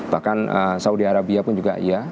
bahkan saudi arabia pun juga iya